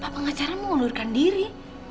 pak pengacara mengulurkan diri